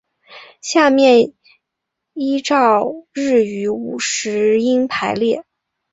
下面依照日语五十音排列。